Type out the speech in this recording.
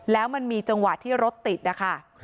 แล้วมันมีจังหวะที่รถติดนะคะ